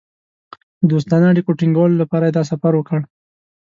د دوستانه اړیکو ټینګولو لپاره یې دا سفر وکړ.